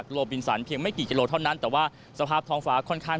โลบินสันเพียงไม่กี่กิโลเท่านั้นแต่ว่าสภาพท้องฟ้าค่อนข้าง